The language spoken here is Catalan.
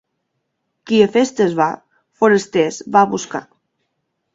Qui a festes va, forasters va a buscar.